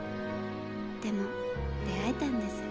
でも出会えたんです。